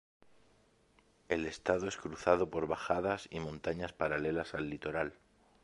El estado es cruzado por bajadas y montañas paralelas al litoral.